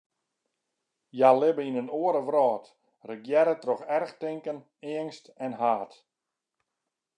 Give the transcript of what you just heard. Hja libbe yn in oare wrâld, regearre troch erchtinken, eangst en haat.